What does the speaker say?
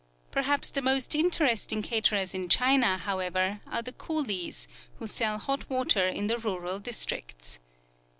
Perhaps the most interesting caterers in China, however, are the coolies, who sell hot water in the rural districts.